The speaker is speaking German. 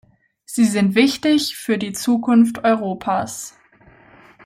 Sie sind wichtig für die Zukunft Europas.